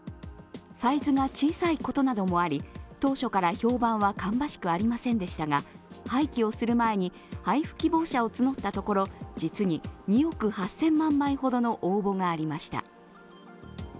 サイズが小さいことなどもあり、当初から評判は芳しくありませんでしたが、廃棄をする前に配布希望者を募ったところ実に２億８０００万枚ほどの応募がありました。